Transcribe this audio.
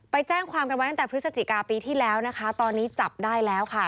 ไปแจ้งความกันไว้ตั้งแต่พฤศจิกาปีที่แล้วนะคะตอนนี้จับได้แล้วค่ะ